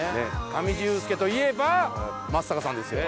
上地雄輔といえば松坂さんですよ。